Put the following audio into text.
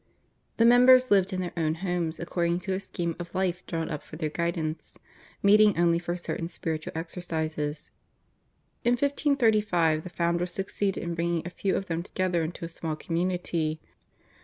The members lived in their own homes according to a scheme of life drawn up for their guidance, meeting only for certain spiritual exercises. In 1535 the foundress succeeded in bringing a few of them together into a small community.